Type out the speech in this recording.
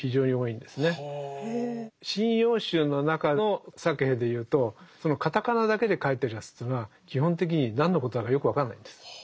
「神謡集」の中のサケヘでいうとその片仮名だけで書いてるやつというのは基本的に何のことだかよく分かんないんです。